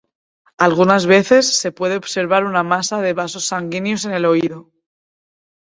Algunas veces, se puede observar una masa de vasos sanguíneos en el oído.